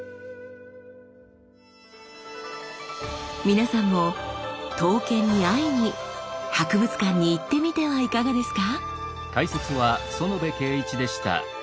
皆さんも刀剣に会いに博物館に行ってみてはいかがですか？